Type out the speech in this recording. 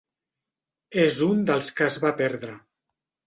És un dels que es va perdre.